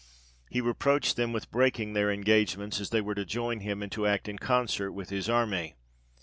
He reproached them with breaking their engagements, as they were to join him, and to act in concert with his army.